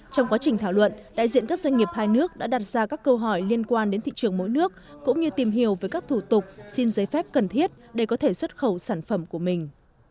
trong quá trình thảo luận đại diện các doanh nghiệp hai nước đã đặt ra các câu hỏi liên quan đến thị trường mỗi nước cũng như tìm hiểu về các thủ tục xin giấy phép cần thiết để có thể xuất khẩu sản phẩm của mình